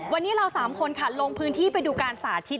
วันนี้เรา๓คนค่ะลงพื้นที่ไปดูการสาธิต